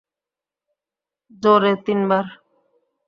জোরে, তিনবার!